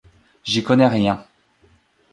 J'y connais rien